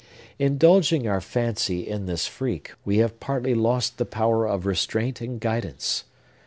Indulging our fancy in this freak, we have partly lost the power of restraint and guidance.